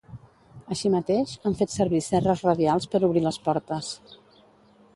Així mateix, han fet servir serres radials per obrir les portes.